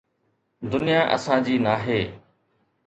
دنيا اسان جي ناهي.